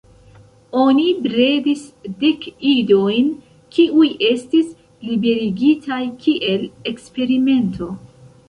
Oni bredis dek idojn kiuj estis liberigitaj kiel eksperimento.